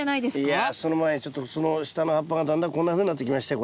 いやその前にちょっとその下の葉っぱがだんだんこんなふうになってきましたよ。